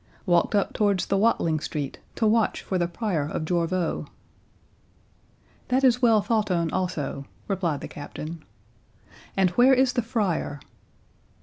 "Walked up towards the Watling street, to watch for the Prior of Jorvaulx." "That is well thought on also," replied the Captain;—"and where is the Friar?"